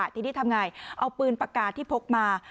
ทีนี้ทำไงเอาปืนปากกาที่พกมา